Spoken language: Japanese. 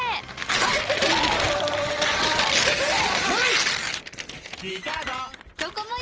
帰ってくれ！ない！